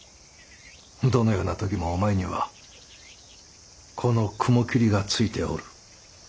どのような時もお前にはこの雲霧がついておる。